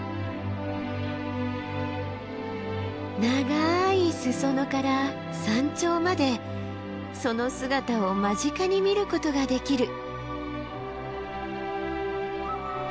長い裾野から山頂までその姿を間近に見ることができる。